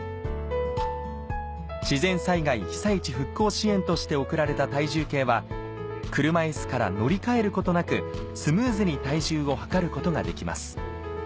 自然災害被災地復興支援として贈られた体重計は車いすから乗り換えることなくスムーズに体重を測ることができます